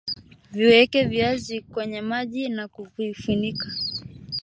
Viweke viazi kwenye maji na kuvifunika